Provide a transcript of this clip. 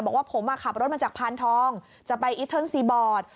บอกว่าผมขับรถมาจากพานทองจะไปอิเทิร์นซีบอร์ด